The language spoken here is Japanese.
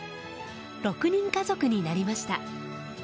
６人家族になりました。